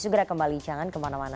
segera kembali jangan kemana mana